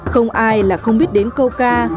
không ai là không biết đến câu ca